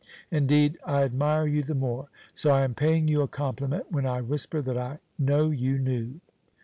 Indeed, I admire you the more. So I am paying you a compliment when I whisper that I know you knew."